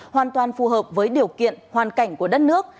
hoàn toàn phù hợp với điều kiện hoàn cảnh của đất nước